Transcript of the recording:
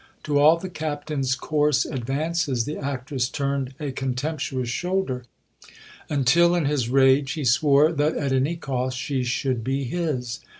To all the Captain's coarse advances the actress turned a contemptuous shoulder, until in his rage he swore that at any cost she should be his.